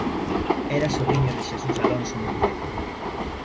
Era sobriño de Xesús Alonso Montero.